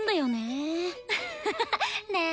アハハね。